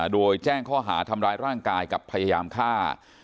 โดยแจ้งข้อหาทำร้ายร่างกายกับพยายามฆ่า